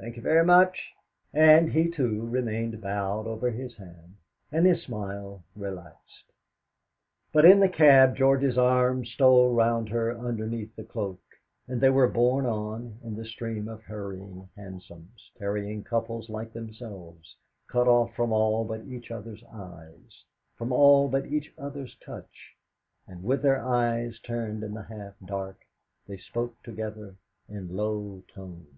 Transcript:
Thank you very much!" And he, too, remained bowed over his hand, and his smile relaxed. But in the cab George's arm stole round her underneath the cloak, and they were borne on in the stream of hurrying hansoms, carrying couples like themselves, cut off from all but each other's eyes, from all but each other's touch; and with their eyes turned in the half dark they spoke together in low tones.